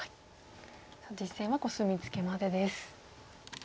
さあ実戦はコスミツケまでです。